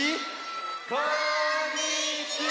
こんにちは！